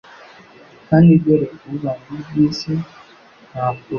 Kandi dore ubamba ibyisi. ntakurura